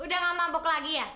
udah gak mabuk lagi ya